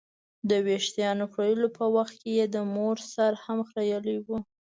د ویښتانو خریلو په وخت یې د مور سر هم خرېیلی و.